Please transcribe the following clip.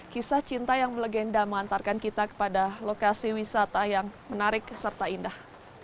kisah cinta yang melegenda mengantarkan kita kepada lokasi wisata yang menarik serta indah